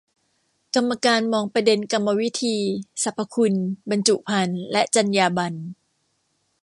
กรรมการมองประเด็นกรรมวิธี สรรพคุณ บรรจุภัณฑ์ และจรรยาบรรณ